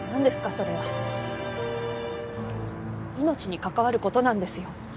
それは命に関わることなんですよ